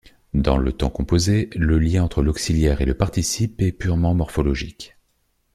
Dans le temps composé, le lien entre l'auxiliaire et le participe est purement morphologique.